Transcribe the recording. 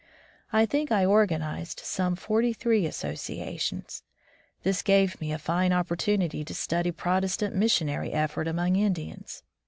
I think I organized some forty three associa tions. This gave me a fine opportunity to study Protestant missionary effort among Indians.